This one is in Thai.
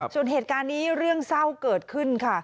ส่วนเหตุการณ์นี้เรื่องเศร้าเกิดขึ้นค่ะ